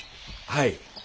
はい。